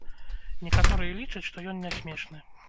Некаторыя лічаць, што ён не смешны.